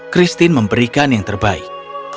christine memberikan yang terbaik